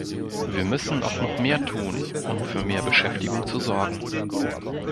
Wir müssen auch noch mehr tun, um für mehr Beschäftigung zu sorgen.